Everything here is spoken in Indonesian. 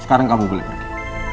sekarang kamu boleh pergi